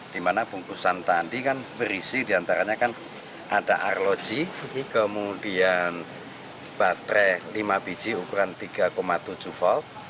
di mana bungkusan tadi kan berisi diantaranya kan ada arloji kemudian baterai lima biji ukuran tiga tujuh volt